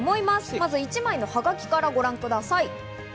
まず一枚のはがきからご覧ください。